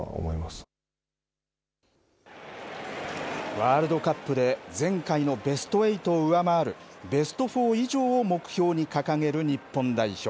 ワールドカップで前回のベスト８を上回るベスト４以上を目標に掲げる日本代表。